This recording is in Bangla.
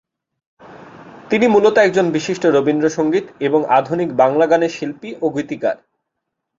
তিনি মূলত একজন বিশিষ্ট রবীন্দ্র সঙ্গীত এবং আধুনিক বাঙলা গানের শিল্পী ও গীতিকার।